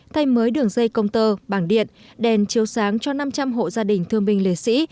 thay mới đường dây công tơ bảng điện đèn chiếu sáng cho năm trăm linh hộ gia đình thương binh liệt sĩ